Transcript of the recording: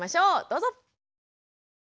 どうぞ！